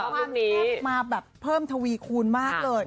ความแซ่บมาแบบเพิ่มทวีคูณมากเลย